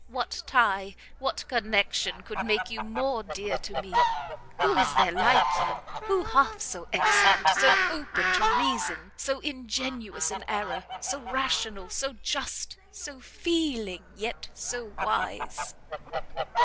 what tie, what connection, could make you more dear to me? Who is there like you? Who half so excellent? So open to reason, so ingenuous in error! so rational! so just! so feeling, yet so wise!"